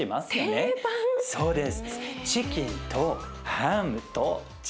そうです。